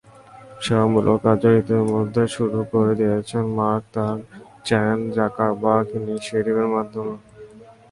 সেবামূলক কাজও ইতিমধ্যেই শুরু করে দিয়েছেন মার্ক তাঁর চ্যান-জাকারবার্গ ইনিশিয়েটিভের মাধ্যমে।